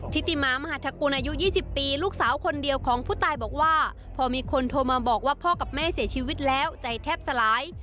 ทิติมามหาธกุลอายุ๒๐ปีลูกสาวคนเดียวของผู้ตายบอกว่าพอมีคนโทรมาบอกว่าพ่อกับแม่เสียชีวิตแล้วใจแทบสลาย